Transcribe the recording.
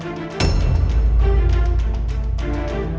aku akan mencari cherry